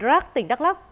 rắc tỉnh đắk lắk